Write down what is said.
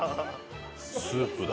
スープだ。